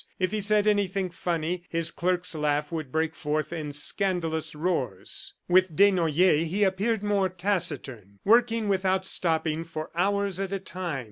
If he said anything funny, his clerk's laugh would break forth in scandalous roars. With Desnoyers he appeared more taciturn, working without stopping for hours at a time.